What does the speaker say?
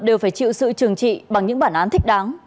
đều phải chịu sự trừng trị bằng những bản án thích đáng